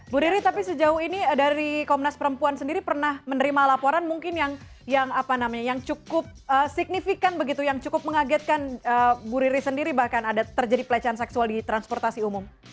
bu riri tapi sejauh ini dari komnas perempuan sendiri pernah menerima laporan mungkin yang cukup signifikan begitu yang cukup mengagetkan bu riri sendiri bahkan ada terjadi pelecehan seksual di transportasi umum